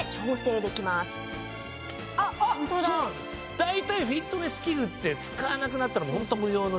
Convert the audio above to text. だいたいフィットネス器具って使わなくなったらホント無用の長物でね。